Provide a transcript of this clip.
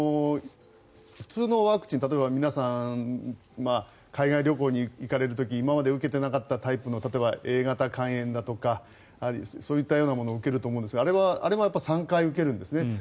普通のワクチン例えば皆さん海外旅行に行かれる時に今まで受けてこられなかったような例えば、Ａ型肝炎だとかそういったようなものを受けると思うんですがあれは３回受けるんですね。